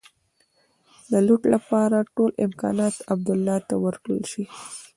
د لوټ لپاره ټول امکانات عبدالله ته ورکړل شي.